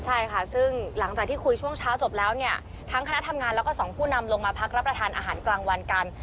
ใช่ค่ะซึ่งหลังจากที่คุยช่วงเช้าจบแล้วเนี่ยทั้งคณะทำงานแล้วก็สองผู้นำลงมาพักรับประทานอาหารกลางวันกัน